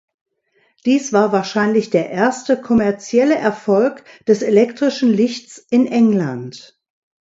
Dies war wahrscheinlich der erste kommerzielle Erfolg des elektrischen Lichts in England.